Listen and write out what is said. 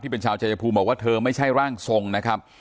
เป็นชาวชายภูมิบอกว่าเธอไม่ใช่ร่างทรงนะครับ